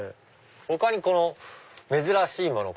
他に珍しいもの。